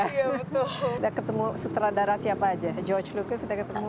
sudah ketemu sutradara siapa aja george lucu sudah ketemu